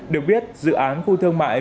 được biết dự án khu thương mại